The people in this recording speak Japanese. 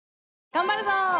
頑張るぞ！